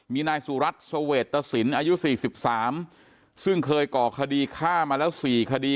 มีนายสุรัตน์สเวตตสินอายุ๔๓ซึ่งเคยก่อคดีฆ่ามาแล้ว๔คดี